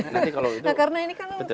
tapi apa bentuk disinsentif